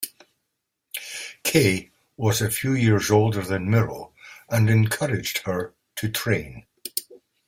Kaye was a few years older than Mirrow and encouraged her to train.